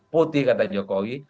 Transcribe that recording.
putih kata jokowi